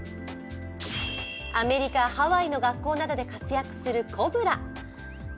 アメリカ・ハワイの学校などで活躍するコブラ。